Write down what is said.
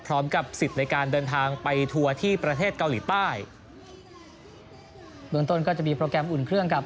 พร้อมกับสิทธิ์ในการเดินทางไปทัวร์ที่ประเทศเกาหลีใต้เมืองต้นก็จะมีโปรแกรมอุ่นเครื่องกับ